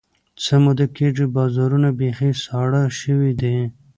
څه موده کېږي، بازارونه بیخي ساړه شوي دي.